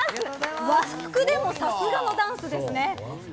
和服でもさすがのダンスですね。